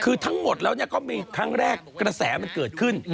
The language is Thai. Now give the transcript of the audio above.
คือทั้งหมดแล้วก็มีครั้งแรกกระแสมันเกิดขึ้น